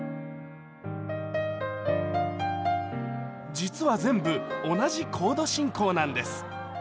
実は全部同じコード進行なんです